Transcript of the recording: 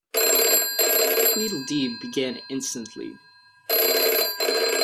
Tweedledee began instantly.